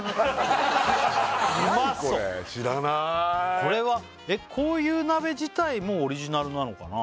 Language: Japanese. これはえっこういう鍋自体もオリジナルなのかなあ